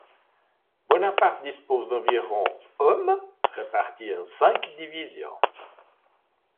Bonaparte dispose d'environ hommes répartis en cinq divisions.